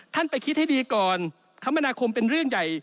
ไปคิดให้ดีก่อนคมนาคมเป็นเรื่องใหญ่